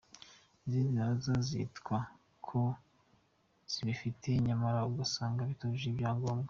Izindi na zo zitwa ko zibifite, nyamara ugasanga bitujuje ibyangombwa.